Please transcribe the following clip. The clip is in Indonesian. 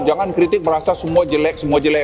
jangan kritik merasa semua jelek semua jelek